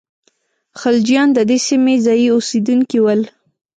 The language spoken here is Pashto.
خلجیان د دې سیمې ځايي اوسېدونکي ول.